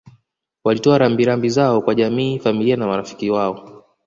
walitoa rambi rambi zao kwa jamii familia na marafiki wao